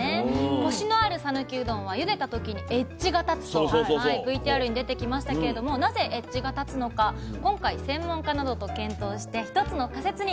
コシのある讃岐うどんはゆでた時にエッジが立つとＶＴＲに出てきましたけれどもなぜエッジが立つのか今回専門家などと検討して一つの仮説にたどりつきました。